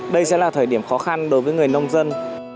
đây sẽ là thời điểm khó khăn đối với người nông dân